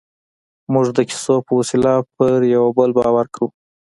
موږ د کیسو په وسیله پر یوه بل باور کوو.